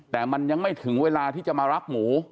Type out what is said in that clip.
แต่มันยังไม่ถึงเวลาที่จะมารับหมู